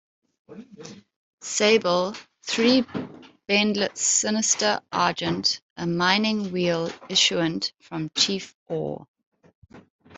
Sable, three Bendlets sinister Argent, a Mining-wheel issuant from chief Or.